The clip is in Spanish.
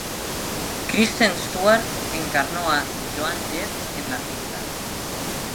Kristen Stewart encarnó a Joan Jett en la cinta.